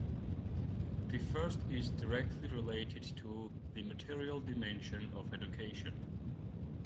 The first is directly related to 'the material dimension' of education.